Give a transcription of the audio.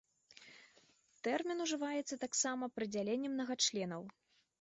Тэрмін ужываецца таксама пры дзяленні мнагачленаў.